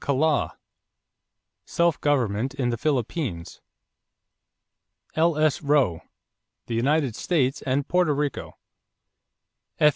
Kalaw, Self Government in the Philippines. L.S. Rowe, The United States and Porto Rico. F.